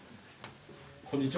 こんにちは。